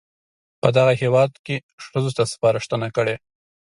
په دغه هېواد کې ښځو ته سپارښتنه کړې